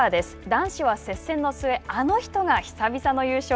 男子は接戦の末あの人が久々の優勝。